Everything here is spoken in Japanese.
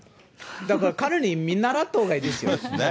だから、彼に見習ったほうがいいそうですね。